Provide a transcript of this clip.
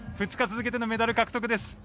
２日続けてのメダル獲得です。